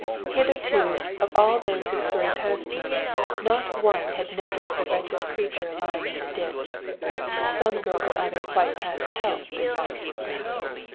"Hitherto, of all those who scurried past me, not one had noticed the wretched creature lying in the ditch. Some girl or other quite past help, they thought, perhaps.